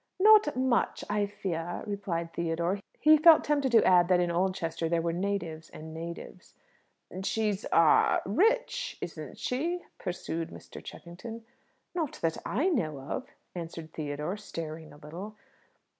"Not much, I fear," replied Theodore. He felt tempted to add that in Oldchester there were natives and natives. "She's a rich, isn't she?" pursued Mr. Cheffington. "Not that I know of," answered Theodore, staring a little.